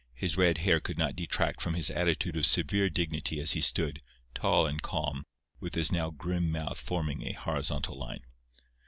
His red hair could not detract from his attitude of severe dignity as he stood, tall and calm, with his now grim mouth forming a horizontal line.